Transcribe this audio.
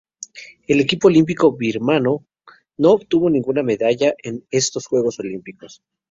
El equipo olímpico birmano no obtuvo ninguna medalla en estos Juegos.